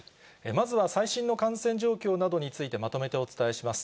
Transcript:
まずは最新の感染状況などについてまとめてお伝えします。